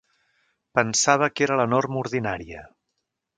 Pensava que era la norma ordinària.